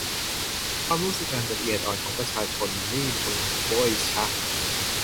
ความรู้สึกอันละเอียดอ่อนของประชาชนนี่มึงโบ้ยช่ะ